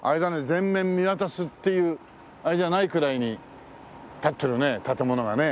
全面見渡すっていうあれじゃないくらいに立ってるね建物がね。